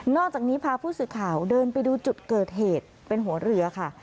จากนี้พาผู้สื่อข่าวเดินไปดูจุดเกิดเหตุเป็นหัวเรือค่ะ